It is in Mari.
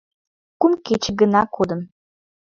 Кум кече гына кодын.